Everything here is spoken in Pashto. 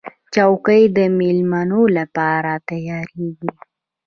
چوکۍ د مېلمنو لپاره تیارېږي.